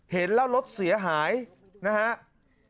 เห็นแล้วรถเสียหายนะครับ